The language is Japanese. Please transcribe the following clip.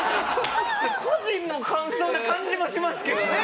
個人の感想な感じもしますけどね。